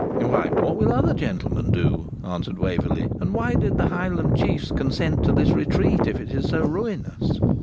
'Why, what will other gentlemen do?' answered Waverley, 'and why did the Highland Chiefs consent to this retreat if it is so ruinous?'